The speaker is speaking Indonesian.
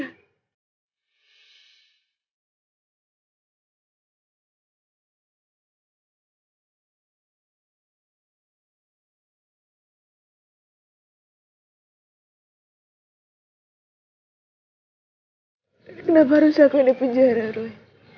kenapa harus aku yang di penjara roy